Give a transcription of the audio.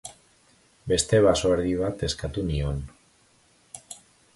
Beste basoerdi bat eskatu nion.